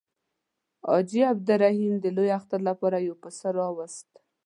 حاجي عبدالرحیم د لوی اختر لپاره یو پسه راووست.